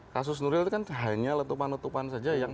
kasus nuril itu kan hanya letupan letupan